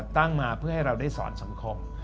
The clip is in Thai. ตั้งมาเพื่อให้เราได้สอนสังคม